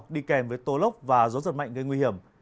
đi kèm với tô lốc và gió giật mạnh gây nguy hiểm